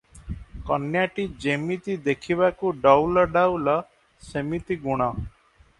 କନ୍ୟାଟି ଯେମିତି ଦେଖିବାକୁ ଡଉଲ ଡାଉଲ, ସେମିତି ଗୁଣ ।